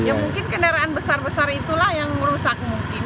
ya mungkin kendaraan besar besar itulah yang merusak mungkin